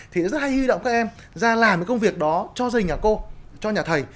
thì rất hay hy động các em ra làm cái công việc đó cho gia đình nhà cô cho nhà thầy